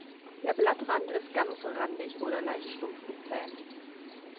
Der Blattrand ist ganzrandig oder leicht stumpf gezähnt.